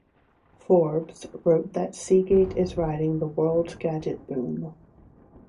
"Forbes" wrote that, "Seagate is riding the world's gadget boom.